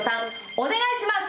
お願いします。